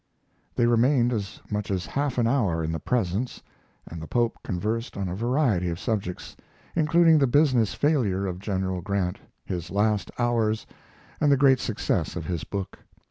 They remained as much as half an hour in the Presence; and the Pope conversed on a variety of subjects, including the business failure of General Grant, his last hours, and the great success of his book.